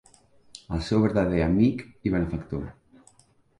El seu verdader amic i benefactor.